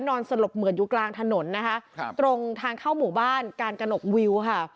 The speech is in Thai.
สลบเหมือนอยู่กลางถนนนะคะครับตรงทางเข้าหมู่บ้านการกระหนกวิวค่ะ